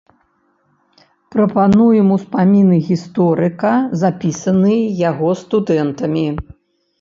Прапануем ўспаміны гісторыка, запісаныя яго студэнтамі.